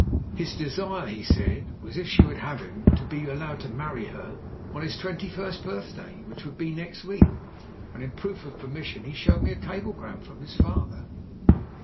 His desire, he said, was, if she would have him, to be allowed to marry her on his twenty first birthday, which would be next week, and in proof of permission he showed me a cablegram from his father."